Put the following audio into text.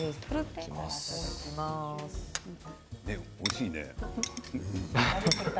おいしいね。